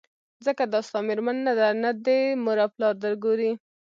ځکه دا ستا مېرمن نه ده نه دي مور او پلار درګوري